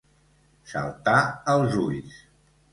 Saltar als ulls.